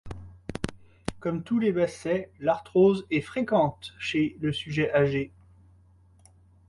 Comme tous les bassets, l'arthrose est fréquente chez le sujet âgé.